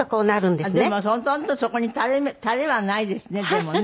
でもほとんどそこに垂れはないですねでもね。